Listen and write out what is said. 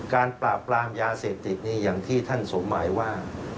การปราบปรามยาเสพติดนี่อย่างที่ท่านสมหมายว่า